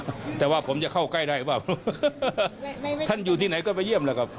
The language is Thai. พยายามง่ายครับท่านอยู่ที่ไหนก็ไปเยี่ยมแล้วครับ